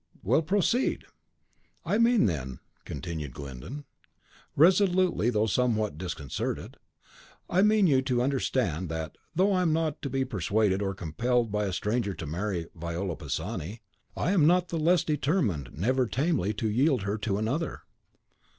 "Well, proceed!" "I mean, then," continued Glyndon, resolutely, though somewhat disconcerted, "I mean you to understand, that, though I am not to be persuaded or compelled by a stranger to marry Viola Pisani, I am not the less determined never tamely to yield her to another."